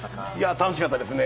楽しかったですね。